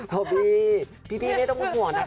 โทบีพี่ไม่ต้องห่วงนะครับ